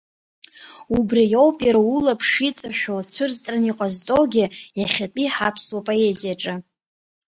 Убри ауп иара улаԥш иҵашәо цәырҵраны иҟазҵоугьы иахьатәи ҳаԥсуа поезиаҿы.